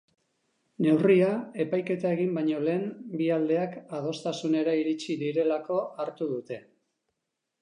Neurria epaiketa egin baino lehen bi aldeak adostasunera iritsi direlako hartu dute.